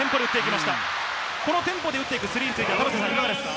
このテンポで打っていくスリーはいかがですか？